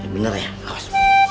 bener ya awas